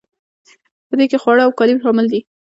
په دې کې خواړه او کالي شامل دي.